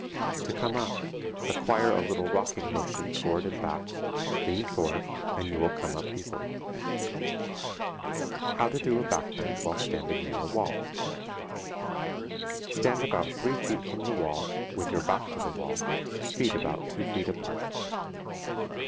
To come up, acquire a little rocking motion forward and back, lean forward, and you will come up easily. How to do a back bend while standing near a wall. Stand about 3 feet from the wall, with your back to the wall, feet about two feet apart.